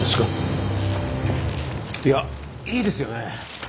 いやいいですよねぇ。